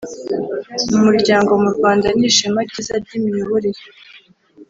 umuryango mu Rwanda nishema ryiza ryimiyoborere